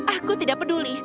aku tidak peduli